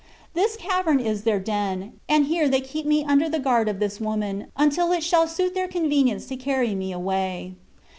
This cavern is their den, and here they keep me under the guard of this woman, until it shall suit their convenience to carry me away."